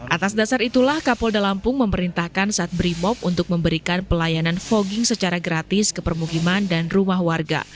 atas dasar itulah kapolda lampung memerintahkan sat brimob untuk memberikan pelayanan fogging secara gratis ke permukiman dan rumah warga